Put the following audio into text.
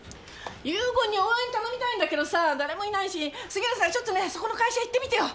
遊軍に応援頼みたいんだけどさ誰もいないし杉浦さんちょっとねそこの会社行ってみてよ。